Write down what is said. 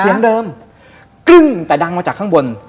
เสียงเดิมกลิ้งแต่ดังมาจากข้างบน